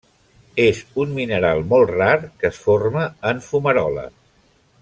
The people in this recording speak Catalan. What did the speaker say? És un mineral molt rar, que es forma en fumaroles.